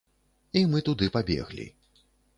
І мы туды пабеглі.